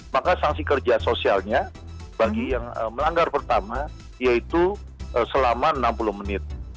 maka sanksi kerja sosialnya bagi yang melanggar pertama yaitu selama enam puluh menit